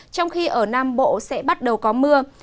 trong khi ở nam bộ sẽ bắt đầu có mưa